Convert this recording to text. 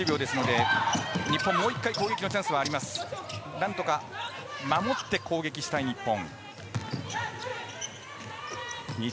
何とか守って攻撃したい日本。